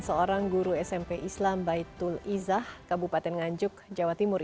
seorang guru smp islam baitul izah kabupaten nganjuk jawa timur